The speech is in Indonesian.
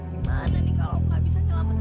contohnya kamu cuma bisa hidup bukan saat takut